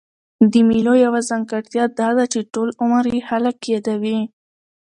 د مېلو یوه ځانګړتیا دا ده، چي ټول عمر ئې خلک يادوي.